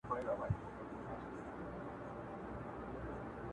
دومره عزت یې راکړی چې